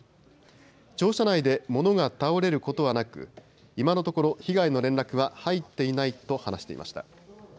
庁舎内で物が倒れることはなく今のところ被害の連絡は入っていないと話していました。